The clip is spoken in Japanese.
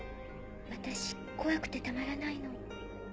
私怖くてたまらないの。